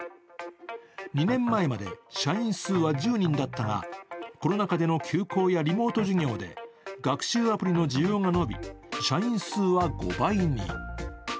２年前まで社員数は１０人だったが、コロナ禍での休校やリモート授業で学習アプリの需要が伸び社員数は５倍に。